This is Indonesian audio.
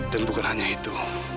dan bukan hanya itu